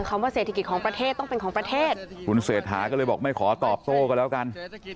ว่าเศรษฐกิจของประเทศต้องเป็นของประเทศคุณเศรษฐาก็เลยบอกไม่ขอตอบโต้ก็แล้วกัน